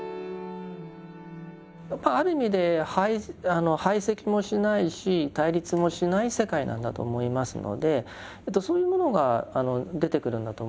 やっぱりある意味で排斥もしないし対立もしない世界なんだと思いますのでそういうものが出てくるんだと思います。